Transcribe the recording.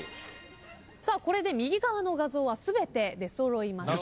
さあこれで右側の画像は全て出揃いました。